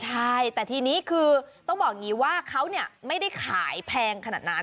ใช่แต่ทีนี้คือต้องบอกอย่างนี้ว่าเขาไม่ได้ขายแพงขนาดนั้น